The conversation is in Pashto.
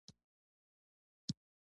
• په څلوېښت کلنۍ کې مې په ځان باور پیدا کړ.